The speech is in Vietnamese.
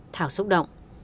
thảo xúc động